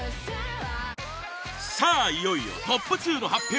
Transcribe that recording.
さあ、いよいよトップ２の発表！